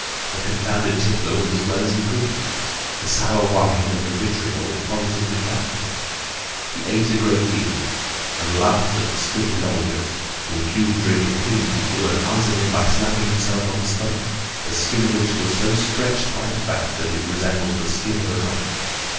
The confounded tippler was as well as well could be. The sour wine and the "vitriol" positively fattened him. He ate a great deal, and laughed at that stick Lorilleux, who accused drink of killing people, and answered him by slapping himself on the stomach, the skin of which was so stretched by the fat that it resembled the skin of a drum.